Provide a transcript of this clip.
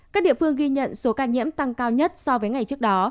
các địa phương ghi nhận số ca nhiễm tăng cao nhất so với ngày trước đó